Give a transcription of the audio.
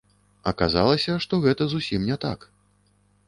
Аказалася, што гэта зусім не так.